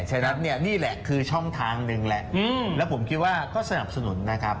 ฉะนั้นเนี่ยนี่แหละคือช่องทางหนึ่งแหละแล้วผมคิดว่าก็สนับสนุนนะครับ